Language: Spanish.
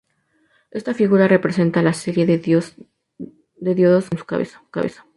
Esta figura representa la serie de diodos que tiene en su cabeza.